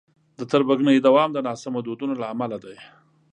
د تربګنیو دوام د ناسمو دودونو له امله دی.